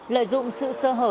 lợi dụng sự sơ hở